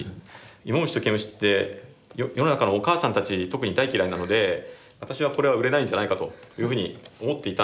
イモムシとケムシって世の中のお母さんたち特に大嫌いなので私はこれは売れないんじゃないかというふうに思っていたんです。